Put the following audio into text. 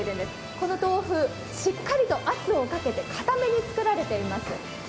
この豆腐、しっかりと圧をかけて硬めに作られています。